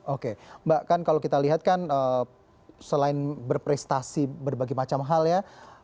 oke mbak kan kalau kita lihat kan selain berprestasi berbagai macam hal ya